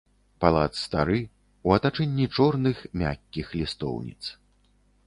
Палац стары, у атачэнні чорных, мяккіх лістоўніц.